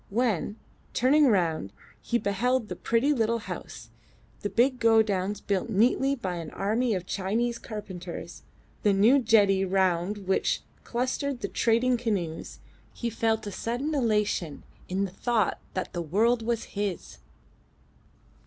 When, turning round, he beheld the pretty little house, the big godowns built neatly by an army of Chinese carpenters, the new jetty round which were clustered the trading canoes, he felt a sudden elation in the thought that the world was his.